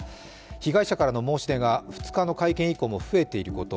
被害者からの申し出が２日の会見以降も増えていること。